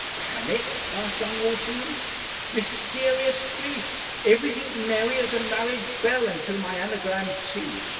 "Panic?" asked young Walshingham. "Mysterious grief! Everything merry as a marriage bell until my Anagram Tea!